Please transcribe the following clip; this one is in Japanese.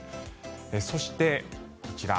そして、こちら。